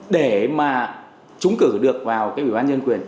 để mà chúng cử được vào cái biểu án dân quyền